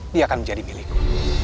dia akan menjadi milikku